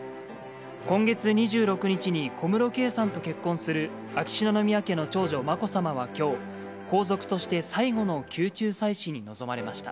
今月２６日に小室圭さんと結婚する秋篠宮家の長女、まこさまはきょう、皇族として最後の宮中祭祀に臨まれました。